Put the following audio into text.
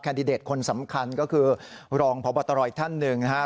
ดิเดตคนสำคัญก็คือรองพบตรอีกท่านหนึ่งนะครับ